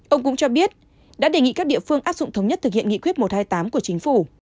ông cũng cho biết đã đề nghị các địa phương áp dụng thống nhất thực hiện nghị quyết một trăm hai mươi tám của chính phủ